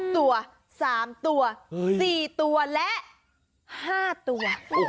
ตัว๓ตัว๔ตัวและ๕ตัว